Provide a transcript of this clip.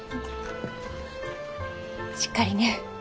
しっかりね。